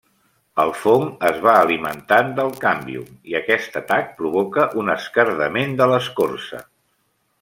El fong es va alimentant del càmbium i aquest atac provoca un esquerdament de l'escorça.